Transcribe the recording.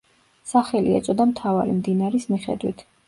სახელი ეწოდა მთავარი მდინარის მიხედვით.